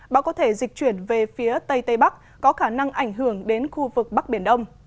bão có thể dịch chuyển về phía tây tây bắc có khả năng ảnh hưởng đến khu vực bắc biển đông